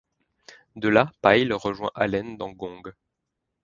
De là, Pyle rejoint Allen dans Gong.